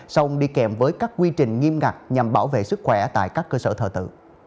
xong đi kèm với các quy trình nghiêm ngặt nhằm bảo vệ sức khỏe tại các cơ sở thờ tự